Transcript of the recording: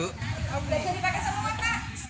sudah bisa dipakai semua pak